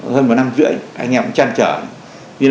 hơn một năm rưỡi anh em cũng chăn chở